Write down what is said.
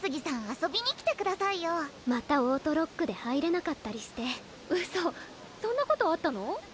遊びに来てくださいよまたオートロックで入れなかったりしてウソそんなことあったの？